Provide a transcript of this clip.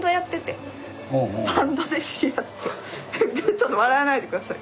ちょっと笑わないで下さい。